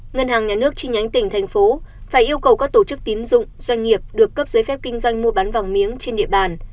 ngân hàng nhà nước chi nhánh tỉnh thành phố phải yêu cầu các tổ chức tín dụng doanh nghiệp được cấp giấy phép kinh doanh mua bán vàng miếng trên địa bàn